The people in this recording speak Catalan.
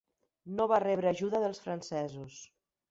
No va rebre ajuda dels francesos.